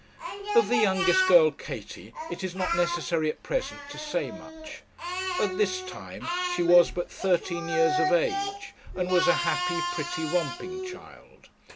Of the youngest girl, Katie, it is not necessary at present to say much. At this time she was but thirteen years of age, and was a happy, pretty, romping child.